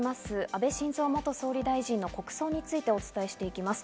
安倍晋三元総理大臣の国葬についてお伝えします。